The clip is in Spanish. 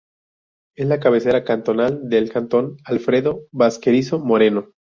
Es la cabecera cantonal del cantón Alfredo Baquerizo Moreno.